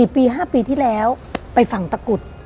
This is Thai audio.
ปี๕ปีที่แล้วไปฝั่งตะกุด